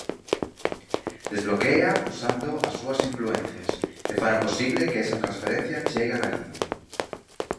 Desbloquéea usando as súas influencias, e fará posible que esa transferencia chegue a Galicia.